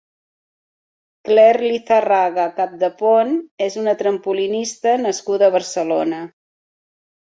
Claire Lizarraga Capdepon és una trampolinista nascuda a Barcelona.